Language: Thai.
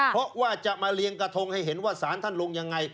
เพราะว่าจะมาเรียงกระทงให้เห็นว่าสารท่านลงยังไง